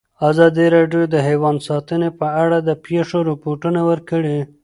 ازادي راډیو د حیوان ساتنه په اړه د پېښو رپوټونه ورکړي.